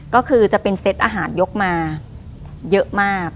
ก็คือจะเป็นเซตอาหารยกมาเยอะมาก